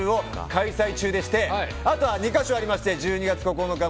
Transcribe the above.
開催中でしてあとは２か所ありまして１２月９日